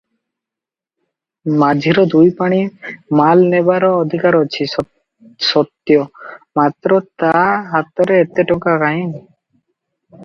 ମାଝିର ଦୁଇପଣି ମାଲ ନେବାର ଅଧିକାର ଅଛି ସତ୍ୟ; ମାତ୍ର ତା ହାତରେ ଏତେ ଟଙ୍କା କାହିଁ?